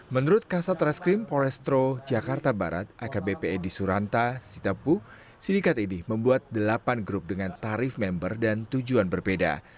menurut kasa trash crime polestro jakarta barat akbpe di suranta sitapu sindikat ini membuat delapan grup dengan tarif member dan tujuan berbeda